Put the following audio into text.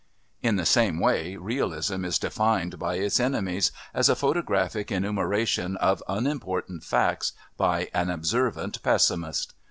In the same way Realism is defined by its enemies as a photographic enumeration of unimportant facts by an observant pessimist.